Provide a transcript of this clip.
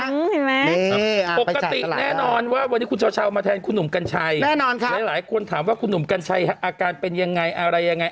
เห็นไหมปกติแน่นอนว่าวันนี้คุณเช้ามาแทนคุณหนุ่มกัญชัยหลายคนถามว่าคุณหนุ่มกัญชัยอาการเป็นยังไงอะไรยังไง